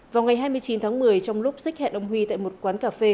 vào ngày hai mươi chín tháng một mươi trong lúc xích hẹn ông huy tại một quán cà phê